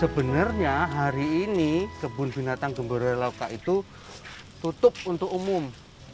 sebenarnya hari ini kebun binatang gembira lauka itu tutup untuk umum